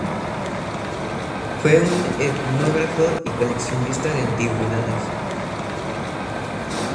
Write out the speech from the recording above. Fue un etnógrafo y coleccionista de antigüedades.